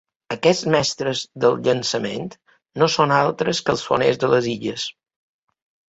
I aquests mestres del llançament no són altres que els foners de les illes.